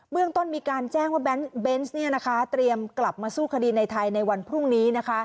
เรื่องต้นมีการแจ้งว่าเบนส์เตรียมกลับมาสู้คดีในไทยในวันพรุ่งนี้